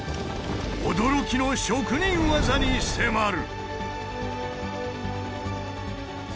驚きの職人技に迫る！